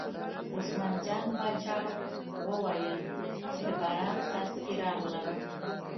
عثمان جان باچا وویل چې د باران څاڅکي راغلل.